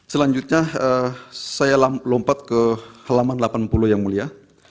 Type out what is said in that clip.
selanjutnya saya lompat ke halaman delapan puluh yang mulia